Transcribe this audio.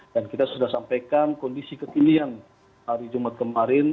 dan kita sudah sampaikan kondisi kekinian hari jumat kemarin